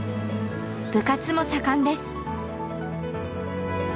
部活も盛んです。